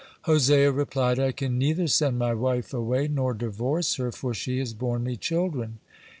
Hosea replied: "I can neither send my wife away nor divorce her, for she has borne me children."